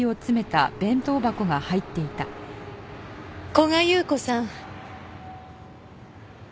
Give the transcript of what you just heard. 古賀優子さん。